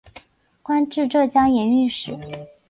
官至浙江盐运使。